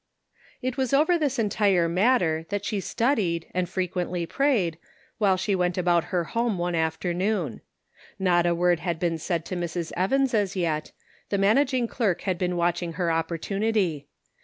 It was over this entire matter that she stud ied, and frequently prayed, while she went about her home one afternoon. Not a word had been said to Mrs. Evans as yet ; the managing clerk had been watching her opportunity.